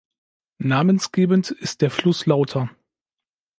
Namensgebend ist der Fluss Lauter.